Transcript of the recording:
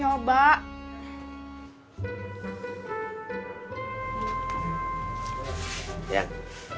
itu buat catering